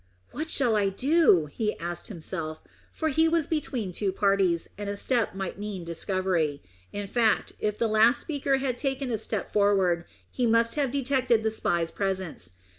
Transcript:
"What shall I do?" he asked himself, for he was between two parties, and a step might mean discovery. In fact, if the last speaker had taken a step forward, he must have detected the spy's presence.